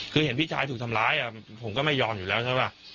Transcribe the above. คือเห็นพี่ชายถูกทำร้ายผมก็ไม่ยอมอยู่แล้วใช่ป่ะ